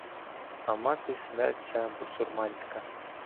Амати смерть ся бусурманська